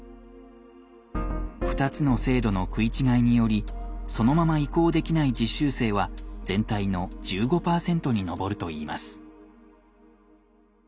２つの制度の食い違いによりそのまま移行できない実習生は全体の１５％に上るといいます。